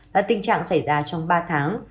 là tình trạng xảy ra trong ba tháng